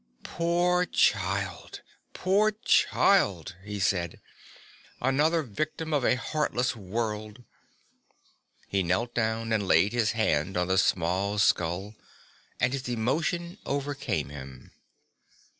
"Poor child, poor child," he said; "another victim of a heartless world." He knelt down and laid his hand on the small skull and his emotion overcame him.